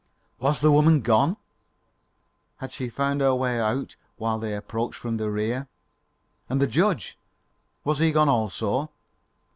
Was the woman gone? Had she found her way out front while they approached from the rear? And the judge! Was he gone also?